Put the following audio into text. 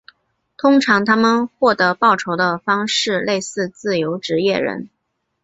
通常他们获得报酬的方式类似自由职业人。